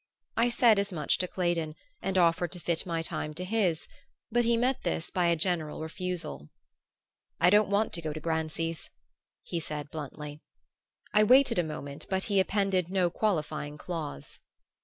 I said as much to Claydon and offered to fit my time to his; but he met this by a general refusal. "I don't want to go to Grancy's," he said bluntly. I waited a moment, but he appended no qualifying clause.